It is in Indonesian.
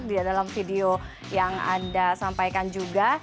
di dalam video yang anda sampaikan juga